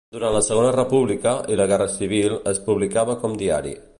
Durant la Segona República i la Guerra Civil es publicava com diari.